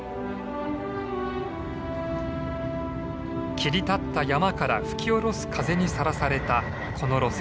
切り立った山から吹き下ろす風にさらされたこの路線。